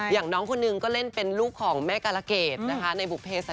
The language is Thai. อย่างน้องคนนึงก็เล่นเป็นลูกของแม่กาลเกรดนะคะ